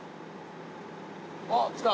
あっきた。